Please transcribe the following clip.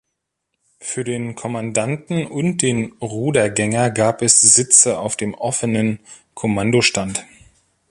Für den Kommandanten und den Rudergänger gab es Sitze auf dem offenen Kommandostand.